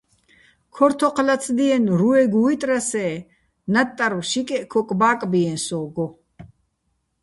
ქორ თოჴ ლაცდიენო̆ რუეგო̆ ვუჲტრასე́, ნატტარვ შიკეჸ ქოკ ბა́კბიეჼ სო́გო.